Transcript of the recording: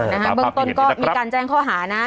เออนะฮะบังตนก็มีการแจ้งข้อหานะ